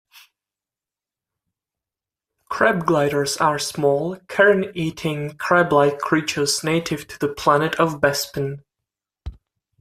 "Crab gliders" are small, carrion eating crablike creatures native to the planet of Bespin.